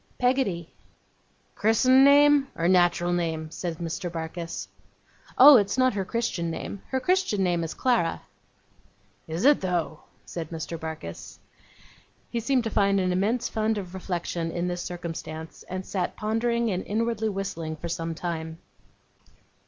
'Peggotty.' 'Chrisen name? Or nat'ral name?' said Mr. Barkis. 'Oh, it's not her Christian name. Her Christian name is Clara.' 'Is it though?' said Mr. Barkis. He seemed to find an immense fund of reflection in this circumstance, and sat pondering and inwardly whistling for some time.